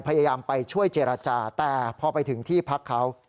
พยายามไปช่วยเจรจาแต่พอไปถึงที่พักเขา